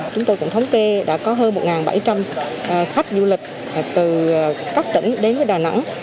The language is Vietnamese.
chúng tôi cũng thống kê đã có hơn một bảy trăm linh khách du lịch từ các tỉnh đến với đà nẵng